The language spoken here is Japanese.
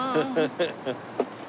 ハハハハ！